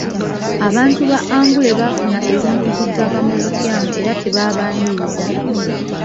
Abantu ba Angule baafuna ebintu ku ttaka mu bukyamu era tebaabaniriza.